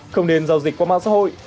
không nên giao dịch qua mạng xã hội